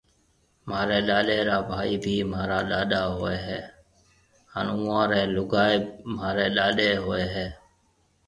مهاريَ ڏاڏيَ رآ ڀائِي ڀِي مهارا ڏاڏا هوئيَ هيَ هانَ اُئان ريَ لُگائيَ مهاريَ ڏاڏيَ هوئيَ هيَ۔